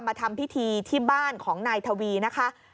มาทำพิธีที่บ้านของนายทวีนะคะ